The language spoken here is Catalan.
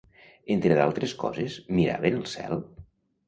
Entre d'altres coses miraven el cel?